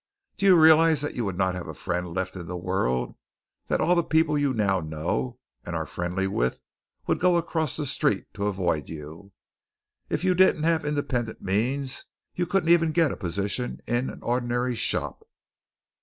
Do you realize that you would not have a friend left in the world that all the people you now know and are friendly with would go across the street to avoid you? If you didn't have independent means, you couldn't even get a position in an ordinary shop.